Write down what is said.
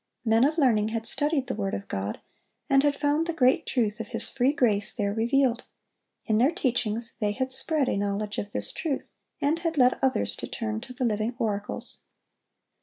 Men of learning had studied the word of God, and had found the great truth of His free grace there revealed. In their teachings they had spread a knowledge of this truth, and had led others to turn to the Living Oracles.